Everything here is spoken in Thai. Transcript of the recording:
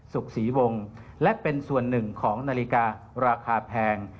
สุขศรีวงศ์และเป็นส่วนหนึ่งของนาฬิการาคาแพง